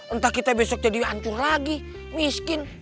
entah kita besok jadi hantu lagi miskin